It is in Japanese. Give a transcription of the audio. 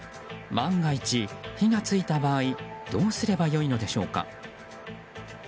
万が一、火が付いた場合どうすれば良いのでしょうか。